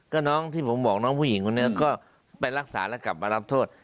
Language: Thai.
ก็น้องที่ผมบอกน้องผู้หญิงคนนี้ก็ไปรักษาแล้วกลับมารับโทษ